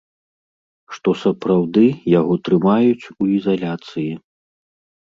Што сапраўды яго трымаюць у ізаляцыі.